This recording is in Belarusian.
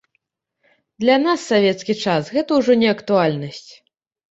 Для нас савецкі час гэта ўжо не актуальнасць.